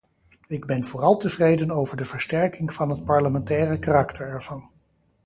Ik ben vooral tevreden over de versterking van het parlementaire karakter ervan.